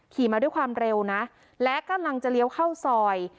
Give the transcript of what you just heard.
ขี่มาด้วยความเร็วนะและกำลังจะเลี้ยวเข้าซอย